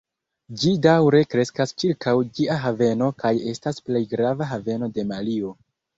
Ĝi daŭre kreskas ĉirkaŭ ĝia haveno kaj estas plej grava haveno de Malio.